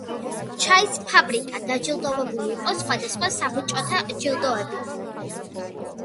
ჩაის ფაბრიკა დაჯილდოებული იყო სხვადასხვა საბჭოთა ჯილდოებით.